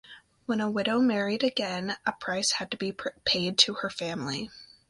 When a widow married again, a price had to be paid to her family.